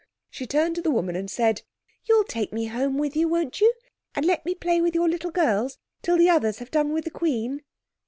She turned to the woman and said, "You'll take me home with you, won't you? And let me play with your little girls till the others have done with the Queen."